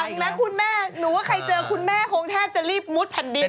วันหลังนะคุณแม่หนูว่าใครเจอคุณแม่คงแทบจะรีบมุดผ่านดินเลยเลย